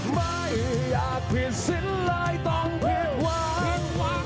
ไม่อยากผิดสิ้นเลยต้องผิดหวัง